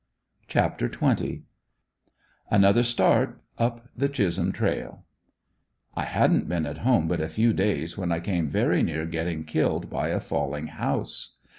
CHAPTER XX. ANOTHER START UP THE CHISHOLM TRAIL. I hadn't been at home but a few days when I came very near getting killed by a falling house.